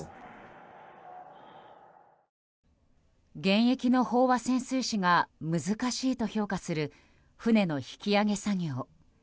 現役の飽和潜水士が難しいと評価する、船の引き揚げ作業。